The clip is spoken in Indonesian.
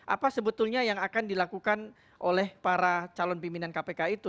apa sebetulnya yang akan dilakukan oleh para calon pimpinan kpk itu